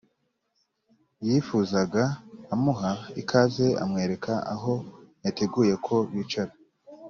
yifuzaga amuha ikaze amwereka aho yateguye ko bicara